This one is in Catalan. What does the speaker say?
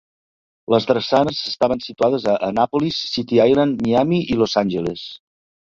Les drassanes estaven situades a Annapolis, City Island, Miami i Los Angeles.